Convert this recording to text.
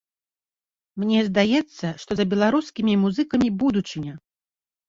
Мне здаецца, што за беларускімі музыкамі будучыня.